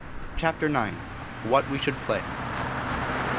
CHAPTER IX. WHAT WE SHOULD PLAY.